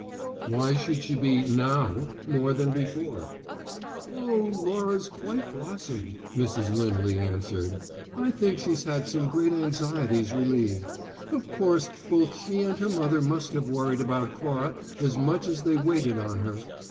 "Why should she be `now' more than before?" "Oh, Laura's quite blossomed," Mrs. Lindley answered. "I think she's had some great anxieties relieved. Of course both she and her mother must have worried about Cora as much as they waited on her.